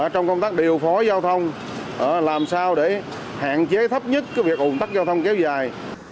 trong công tác điều phối giao thông làm sao để hạn chế thấp nhất việc ủng tắc giao thông kéo dài